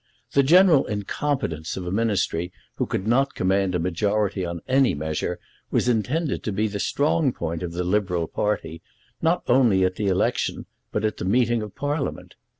The general incompetence of a Ministry who could not command a majority on any measure was intended to be the strong point of the Liberal party, not only at the election, but at the meeting of Parliament.